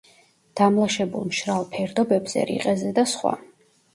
დამლაშებულ მშრალ ფერდობებზე, რიყეზე და სხვა.